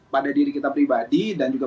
pada diri kita pribadi